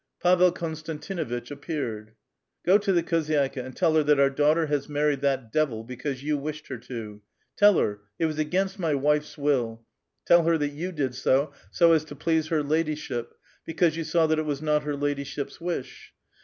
Pavel Konstantinuitch appeared. " Go to the khozydXka and tell her that our daughter has mamed that devil because you wished her to. Toll her, ' It was against my wife's will.' Tell her that you did so, so as to please her ladyship, because you saw that it was not her ladyship's wish.